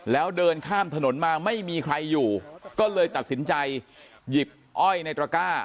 แล้วเดินข้ามถนนมาไม่มีใครอยู่ก็เลยตัดสินใจหยิบอ้อยในตระก้า